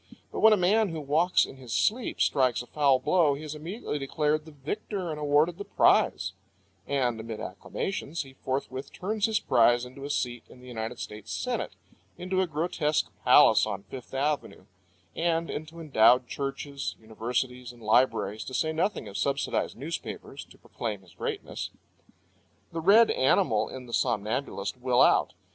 But when a man who walks in his sleep strikes a foul blow he is immediately declared the victor and awarded the prize; and amid acclamations he forthwith turns his prize into a seat in the United States Senate, into a grotesque palace on Fifth Avenue, and into endowed churches, universities and libraries, to say nothing of subsidized newspapers, to proclaim his greatness. The red animal in the somnambulist will out.